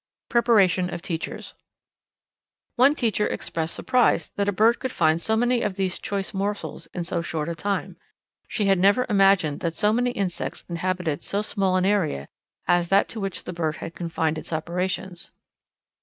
Preparation of Teachers. One teacher expressed surprise that a bird could find so many of these choice morsels in so short a time. She had never imagined that so many insects inhabited so small an area as that to which the bird had confined its operations.